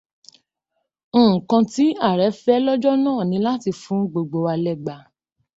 Nǹkan tí ààrẹ fẹ́ lọ́jọ́ náà ni láti fún gbogbo wa lẹ́gba.